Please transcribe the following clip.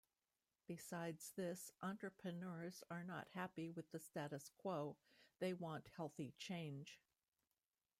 Besides this, entrepreneurs are not happy with the status quo; they want healthy change.